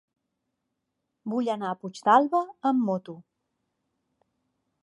Vull anar a Puigdàlber amb moto.